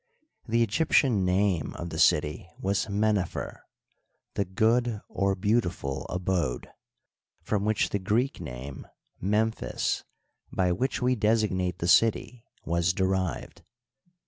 The Egyptian name of the city was Men ' nefer —" the good (or beautiful) abode "— from which the Greek name Memphis, by which we designate the city, was derived.